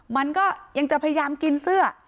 มันก็ยังจะพยายามกินเสื้อ